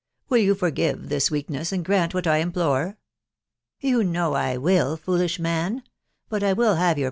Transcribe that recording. JVill you forgave this weakness, and grant what } implore ?"" You know I will, foolish man !.... .but I will have your